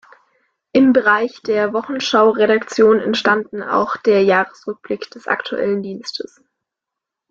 Im Bereich der Wochenschau-Redaktion entstanden auch der „Jahresrückblick des Aktuellen Dienstes“.